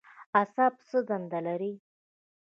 اعصاب څه دنده لري؟